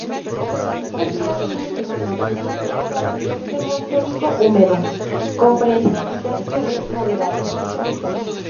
La ciudad tiene un clima norte subtropical de monzónico húmedo, con precipitaciones moderadas.